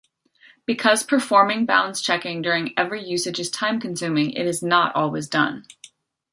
Because performing bounds checking during every usage is time-consuming, it is not always done.